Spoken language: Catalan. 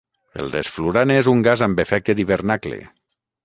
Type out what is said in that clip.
El desflurane és un gas amb efecte d'hivernacle.